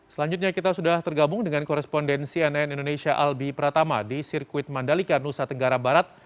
selanjutnya kita sudah tergabung dengan korespondensi nn indonesia albi pratama di sirkuit mandalika nusa tenggara barat